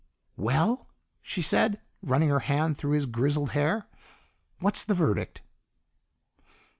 "Well?" she said, running her hand through his grizzled hair. "What's the verdict?"